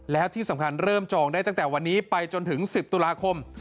แล้วที่สำคัญเริ่มจองได้ตั้งแต่วันนี้ไปจนถึง๑๐ตุลาคม